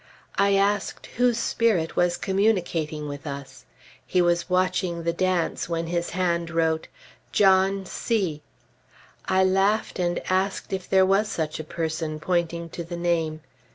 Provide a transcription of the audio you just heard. I asked whose spirit was communicating with us. He was watching the dance when his hand wrote, "John C ." I laughed and asked if there was such a person, pointing to the name.